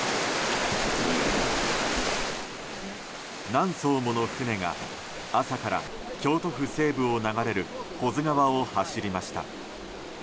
何艘もの船が朝から京都府西部を流れる保津川を走りました。